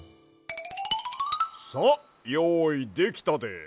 さあよういできたで。